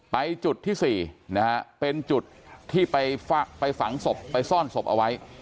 จุดที่๔นะฮะเป็นจุดที่ไปฝังศพไปซ่อนศพเอาไว้